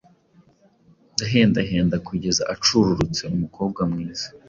ndahendahenda kugeza acururutse umukobwa mwiza